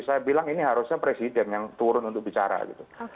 saya bilang ini harusnya presiden yang turun untuk bicara gitu